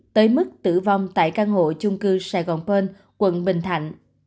tới mức tử vong tại căn hộ chung cư sài gòn pearl quận bình thạnh